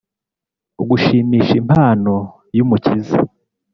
gushimisha impano y'umukiza.